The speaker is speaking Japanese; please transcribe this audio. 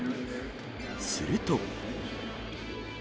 すると。